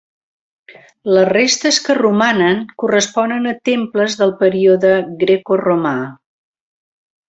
Les restes que romanen corresponen a temples del període grecoromà.